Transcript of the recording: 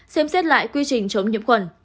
xem xét lại quy trình chống nhiễm khuẩn